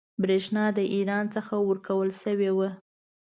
برېښنا د ایران څخه ورکول شوې وه.